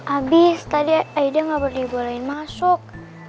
abi tadi aida gak boleh bolehin masuk